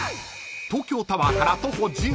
［東京タワーから徒歩１５分］